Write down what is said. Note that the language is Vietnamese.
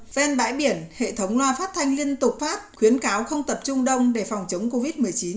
ven bãi biển hệ thống loa phát thanh liên tục phát khuyến cáo không tập trung đông để phòng chống covid một mươi chín